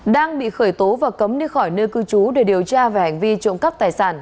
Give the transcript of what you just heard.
đang bị khởi tố và cấm đi khỏi nơi cư trú để điều tra về hành vi trộm cắp tài sản